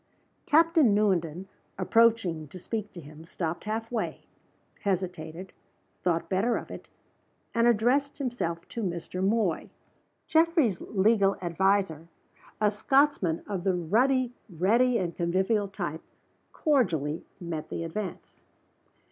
Captain Newenden, approaching to speak to him, stopped half way, hesitated, thought better of it and addressed himself to Mr. Moy. Geoffrey's legal adviser a Scotchman of the ruddy, ready, and convivial type cordially met the advance.